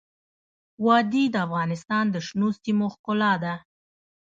وادي د افغانستان د شنو سیمو ښکلا ده.